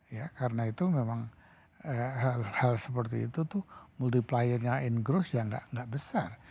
ya karena itu memang hal hal seperti itu tuh multipliernya in growth yang nggak besar